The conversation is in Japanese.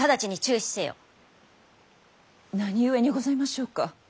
何故にございましょうか。